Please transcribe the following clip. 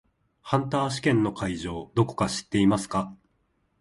ハンター試験の会場どこか知っていますか？